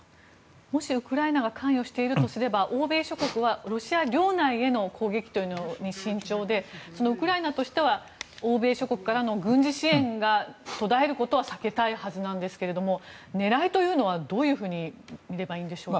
もしウクライナが関与しているとすれば欧米諸国はロシア領内への攻撃というのに慎重でウクライナとしては欧米諸国からの軍事支援が途絶えることは避けたいはずなんですが狙いというのはどう見ればいいんでしょうか？